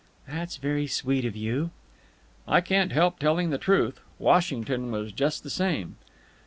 "That's very sweet of you." "I can't help telling the truth. Washington was just the same."